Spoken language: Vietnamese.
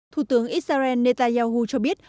thủ tướng israel netanyahu cho biết